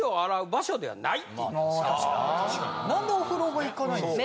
なんでお風呂場行かないんですか？